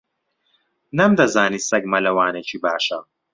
نەمدەزانی سەگ مەلەوانێکی باشە.